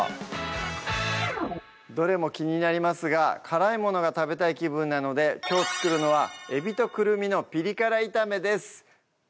どれも気になりますが辛いものが食べたい気分なのできょう作るのは「海老とクルミのピリ辛炒め」です